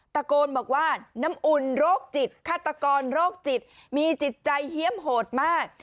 ตะโกนบอกว่าน้ำอุ่นโรคจิตฆาตกรโรคจิตมีจิตใจเฮียมโหดมาก